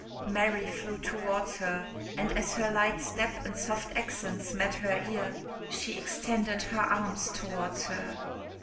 Mary flew towards her; and as her light step and soft accents met her ear, she extended her arms towards her.